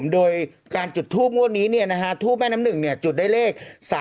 โดยการจุดทูปงวดนี้ทูบแม่น้ำหนึ่งจุดได้เลข๓๓